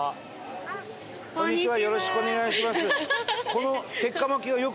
こんにちは。